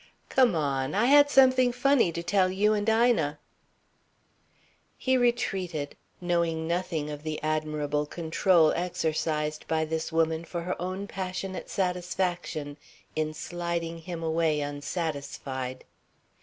"Come on I had something funny to tell you and Ina." He retreated, knowing nothing of the admirable control exercised by this woman for her own passionate satisfaction in sliding him away unsatisfied.